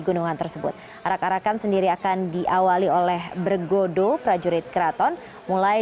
gunungan tersebut arak arakan sendiri akan diawali oleh bergodo prajurit keraton mulai